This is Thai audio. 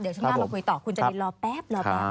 เดี๋ยวช่างมามาคุยต่อคุณจดินรอแป๊บ